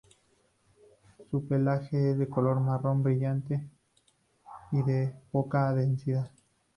Su pelaje es de color marrón, brillante y de poca densidad.